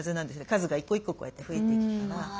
数が一個一個こうやって増えていくから。